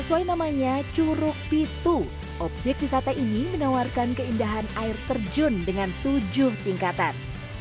sesuai namanya curug pitu objek wisata ini menawarkan keindahan air terjun dengan tujuh tingkatan